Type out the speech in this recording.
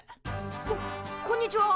ここんにちは。